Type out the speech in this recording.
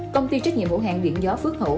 công ty trách nhiệm hữu hạn điện gió phước hổ